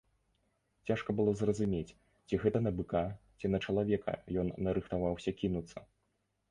Цяжка было зразумець, ці гэта на быка, ці на чалавека ён нарыхтаваўся кінуцца.